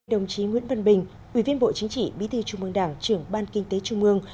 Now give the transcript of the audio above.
đồng chí nguyễn văn bình ủy viên bộ chính trị bí thư trung mương đảng trưởng ban kinh tế trung mương